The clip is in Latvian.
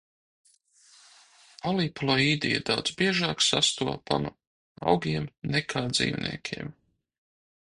Poliploīdija daudz biežāk sastopama augiem, nekā dzīvniekiem.